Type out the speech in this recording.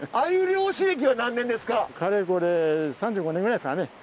かれこれ３５年ぐらいですかね。